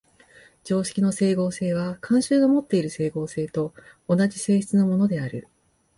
常識の斉合性は慣習のもっている斉合性と同じ性質のものである。